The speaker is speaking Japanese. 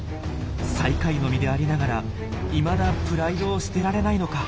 最下位の身でありながらいまだプライドを捨てられないのか。